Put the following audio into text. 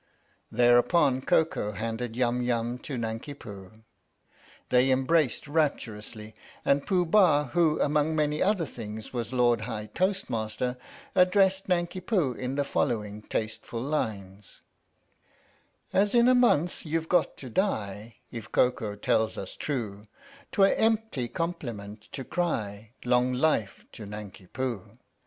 Thereupon Koko handed Yum Yum to Nanki Poo. They embraced rapturously, and Pooh Bah, who among many other things was Lord High Toast Master, addressed Nanki Poo in the following taste ful lines : As in a month you've got to die If Koko tells us true, 'Twere empty compliment to cry " Long life to Nanki Poo